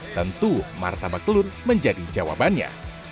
tentu martabak telur menjadi jawabannya